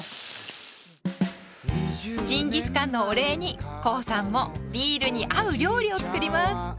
ジンギスカンのお礼にコウさんもビールに合う料理を作ります。